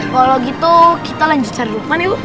kalau gitu kita lanjut cari lukman ya bu